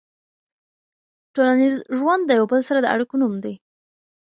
ټولنیز ژوند د یو بل سره د اړیکو نوم دی.